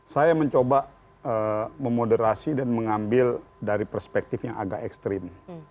saya mencoba memoderasi dan mengambil dari perspektif yang agak ekstrim